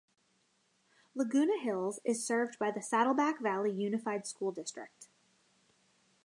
Laguna Hills is served by the Saddleback Valley Unified School District.